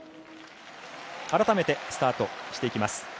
改めてスタートしていきます。